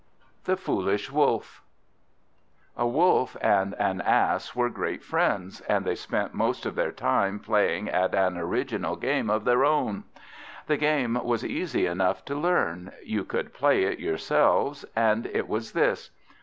The Foolish Wolf A WOLF and an Ass were great friends, and they spent most of their time playing at an original game of their own. The game was easy enough to learn; you could play it yourselves; and it was this.